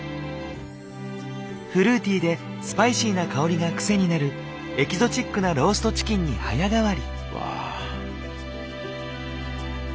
フルーティーでスパイシーな香りがくせになるエキゾチックなローストチキンに早変わり。